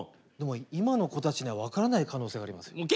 でも今の子たちには分からない可能性がありますよ。